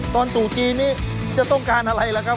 ตู่จีนนี้จะต้องการอะไรล่ะครับ